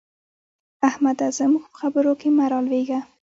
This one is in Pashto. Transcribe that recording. احمده! زموږ په خبرو کې مه رالوېږه.